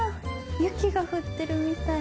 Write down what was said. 雪が降ってるみたい。